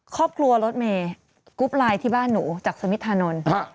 ครอบครัวรถเมย์กรุ๊ปไลน์ที่บ้านหนูจากสมิทธานนท์